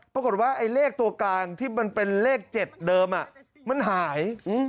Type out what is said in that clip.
ปรากฏว่าไอ้เลขตัวกลางที่มันเป็นเลข๗เดิมมันหาย